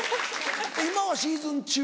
今はシーズン中？